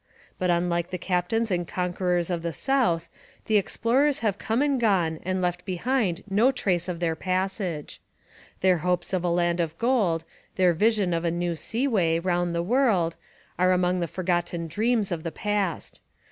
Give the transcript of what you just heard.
But unlike the captains and conquerors of the South, the explorers have come and gone and left behind no trace of their passage. Their hopes of a land of gold, their vision of a new sea way round the world, are among the forgotten dreams of the past.